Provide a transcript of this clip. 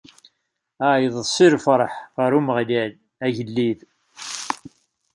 Ɛeyyḍet si lferḥ ɣer Umeɣlal, agellid!